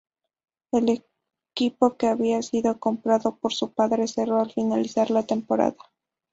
El equipo, que había sido comprado por su padre, cerró al finalizar la temporada.